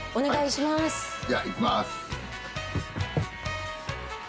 じゃあいきます。